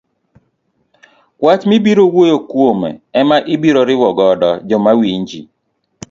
wach mibiro wuoyo kuome ema ibiro riwo godo joma winji.